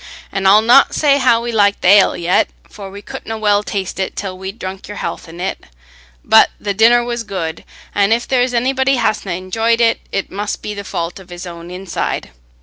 An' I'll not say how we like th' ale yet, for we couldna well taste it till we'd drunk your health in it; but the dinner was good, an' if there's anybody hasna enjoyed it, it must be the fault of his own inside.